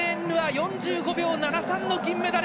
４５秒７３の銀メダル。